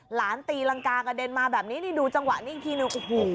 หลานตีรังกากระเด็นมาแบบนี้นี่ดูจังหวะนี้อีกทีหนึ่ง